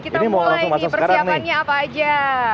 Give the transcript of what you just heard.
kita mulai nih persiapannya apa aja